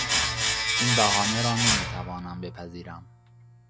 این بهانه را نمیتوانم بپذیرم.